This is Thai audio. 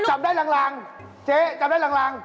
จับได้หลังเจ๊จำได้หลัง